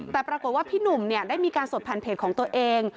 แต่ปรากฏว่าพี่หนุ่มได้มีการสดผ่านเพจของตัวเอง